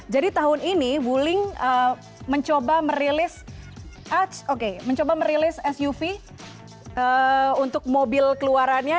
jadi tahun ini wuling mencoba merilis suv untuk mobil keluarannya